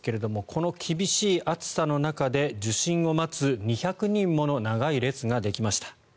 発熱外来なんですがこの厳しい暑さの中で受診を待つ２００人もの長い列ができました。